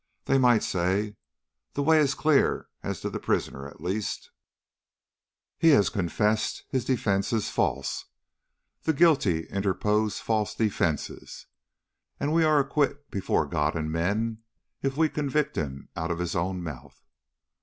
They might say: "The way is clear as to the prisoner at least; he has confessed his defence is false; the guilty interpose false defences; we are acquit before God and men if we convict him out of his own mouth."